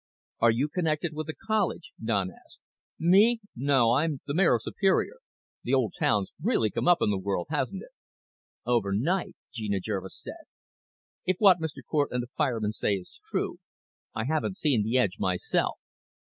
"Are you connected with the college?" Don asked. "Me? No. I'm the mayor of Superior. The old town's really come up in the world, hasn't it?" "Overnight," Geneva Jervis said. "If what Mr. Cort and the fireman say is true. I haven't seen the edge myself."